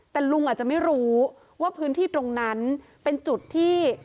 แต่ลุงอาจจะไม่รู้ว่าพื้นที่ตรงนั้นเป็นจุดที่